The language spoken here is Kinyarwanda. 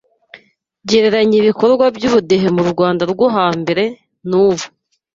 Gereranya ibikorwa by’ubudehe mu Rwanda rwo hambere n’ubu.